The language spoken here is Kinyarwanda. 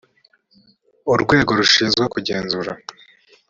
urwego rushinzwe kugenzura